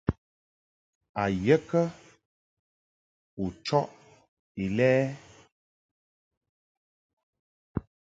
A ye kə u chɔʼ Ilɛ?